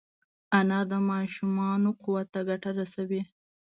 انار د ماشومانو قوت ته ګټه رسوي.